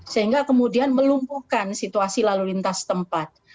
sehingga kemudian melumpuhkan situasi lalu lintas tempat